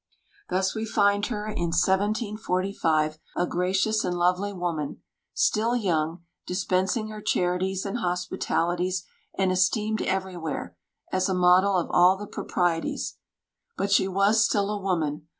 Thus we find her in 1745, a gracious and lovely woman, still young, dispensing her charities and hospitalities, and esteemed everywhere as a model of all the proprieties. But she was still a woman.